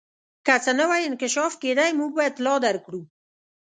که څه نوی انکشاف کېدی موږ به اطلاع درکړو.